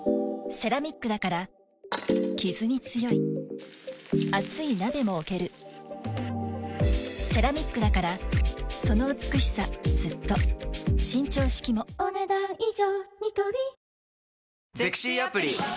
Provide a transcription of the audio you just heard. セラミックだからキズに強い熱い鍋も置けるセラミックだからその美しさずっと伸長式もお、ねだん以上。